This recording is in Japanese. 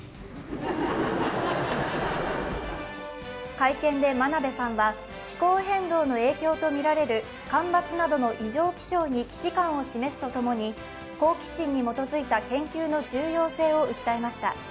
会見で真鍋さんは気候変動の影響とみられる干ばつなどの異常気象に危機感を示すとともに好奇心に基づいた研究の重要性を訴えました。